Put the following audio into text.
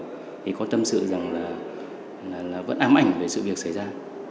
thì có tâm sự rằng là vẫn ám ảnh về sự việc xảy ra